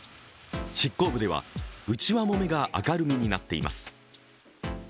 執行部では、内輪もめが明るみになっています。